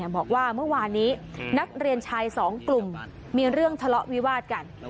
บอกว่าเมื่อวานนี้นักเรียนชายสองกลุ่มมีเรื่องทะเลาะวิวาดกัน